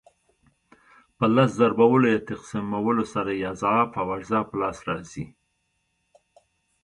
په لس ضربولو یا تقسیمولو سره یې اضعاف او اجزا په لاس راځي.